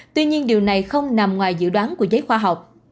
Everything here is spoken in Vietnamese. tuy nhiên điều này không nằm ngoài dự đoán của giới khoa học